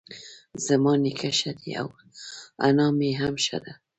زما نيکه ښه دی اؤ انا مي هم ښۀ دۀ